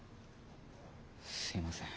すいません。